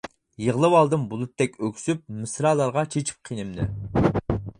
يىغلىۋالدىم بۇلۇتتەك ئۆكسۈپ، مىسرالارغا چېچىپ قېنىمنى.